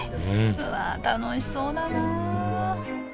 うわ楽しそうだなあ